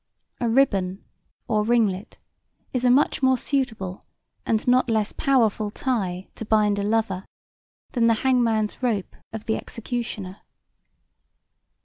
A ribbon or ringlet is a much more suitable and not less powerful tie to bind a lover than the hangman's rope of the executioner.